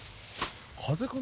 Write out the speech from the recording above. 風かな？